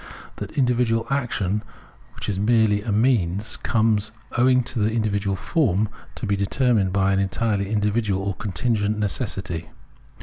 That individual action, which is merely a means, comes, owing to its individual form, to be determined by an entirely individual or contingent necessity.